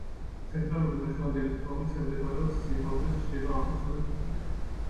ცენტრალური მაშონალენდის პროვინცია მდებარეობს ზიმბაბვეს ჩრდილო-აღმოსავლეთ ნაწილში.